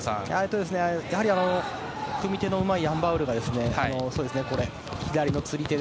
やはり組み手のうまいアン・バウルが左の釣り手で。